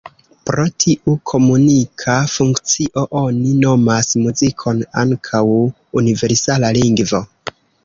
Pro tiu komunika funkcio oni nomas muzikon ankaŭ ""universala lingvo"".